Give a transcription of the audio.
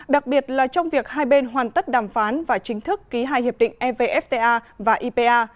đặc biệt là trong việc hai bên hoàn tất đàm phán và chính thức ký hai hiệp định evfta và ipa